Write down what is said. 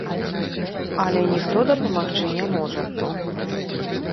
Але ніхто дапамагчы не можа.